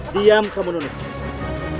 diam kamu nunik